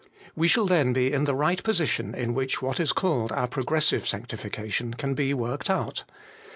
We shall then be in the right position in which what is called our progressive sanctification can be worked out.